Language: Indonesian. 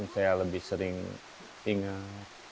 saya lebih sering ingat